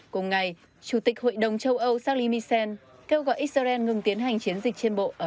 cùng ngày chủ tịch hội đồng châu âu salimisen kêu gọi israel ngừng tiến hành chiến dịch trên bộ ở rafah